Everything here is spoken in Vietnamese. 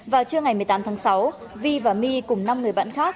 vào trưa ngày một mươi tám tháng sáu vi và my cùng năm người bạn khác